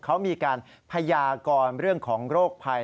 เขามีการพยากรเรื่องของโรคภัย